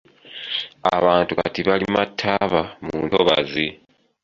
Abantu kati balima ttaaba mu ntobazi.